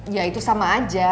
ya itu sama aja